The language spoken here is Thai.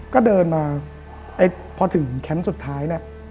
ก็เดินมาพอถึงแคมป์สุดท้ายเนี่ย